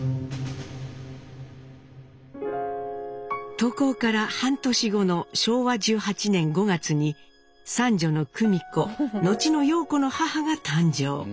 渡航から半年後の昭和１８年５月に三女の久美子後の陽子の母が誕生。